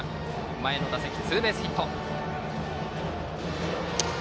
前の打席、ツーベースヒット。